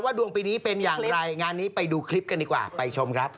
ดวงปีนี้เป็นอย่างไรงานนี้ไปดูคลิปกันดีกว่าไปชมครับ